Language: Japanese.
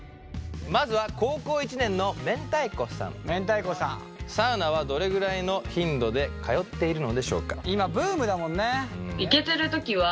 まずは高校１年のサウナはどれぐらいの頻度で通っているのでしょうか？